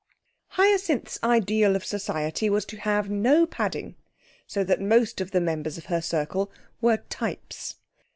Hyacinth's ideal of society was to have no padding, so that most of the members of her circle were types.